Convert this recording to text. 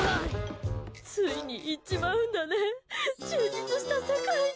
ついに行っちまうんだね充実した世界に。